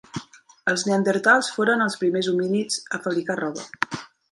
Els neandertals foren els primers homínids a fabricar roba.